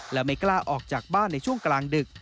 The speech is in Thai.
และไม่กล้าออกจากบ้านในช่วงกลางดึก